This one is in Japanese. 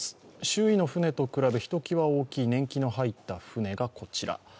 周囲の船と比べひときわ大きい年季の入った船がこちら。